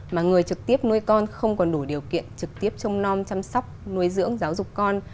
mà người trực tiếp nuôi con không còn đủ điều kiện trực tiếp trông non chăm sóc nuôi dưỡng giáo dục con